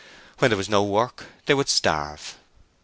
When there was no work they would starve.